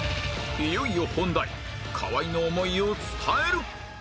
いよいよ本題河井の思いを伝える